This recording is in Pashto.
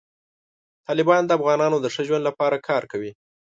طالبان د افغانانو د ښه ژوند لپاره کار کوي.